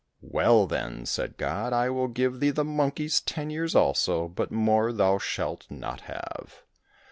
"Well, then," said God, "I will give thee the monkey's ten years also, but more thou shalt not have."